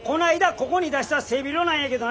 ここに出した背広なんやけどな